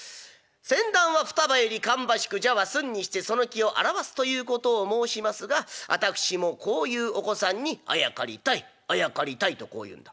栴檀は双葉より芳しく蛇は寸にしてその気をあらわすということを申しますが私もこういうお子さんにあやかりたいあやかりたい』とこう言うんだ。